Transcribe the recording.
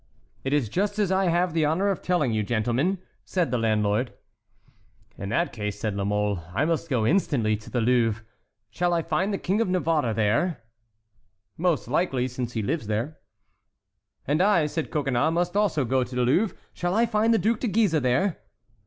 "It is just as I have the honor of telling you, gentlemen," said the landlord. "In that case," said La Mole, "I must go instantly to the Louvre. Shall I find the King of Navarre there?" "Most likely, since he lives there." "And I," said Coconnas, "must also go to the Louvre. Shall I find the Duc de Guise there?"